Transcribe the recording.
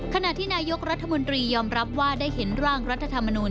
ขณะที่นายกรัฐมนตรียอมรับว่าได้เห็นร่างรัฐธรรมนูล